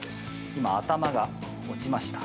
今、頭が落ちました。